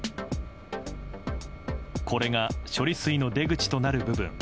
これが処理水の出口となる部分。